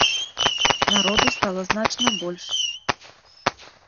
Народу стала значна больш.